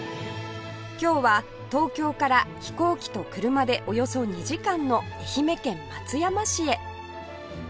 今日は東京から飛行機と車でおよそ２時間の愛媛県松山市へ